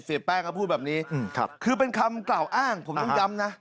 เสียแป้งก็พูดแบบนี้อืมครับคือเป็นคำกล่าวอ้างผมต้องย้ำน่ะ